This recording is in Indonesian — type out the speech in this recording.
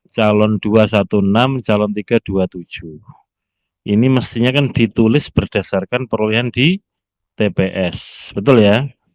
satu ratus dua puluh tiga calon dua ratus enam belas calon tiga ratus dua puluh tujuh ini mestinya kan ditulis berdasarkan perulihan di tps betul ya